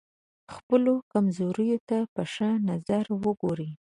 خپلو کمزوریو ته په ښه نظر وګورئ.